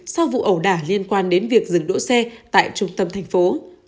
sau vụ ẩu đả liên quan đến việc dừng đỗ xe tại trung tâm thành phố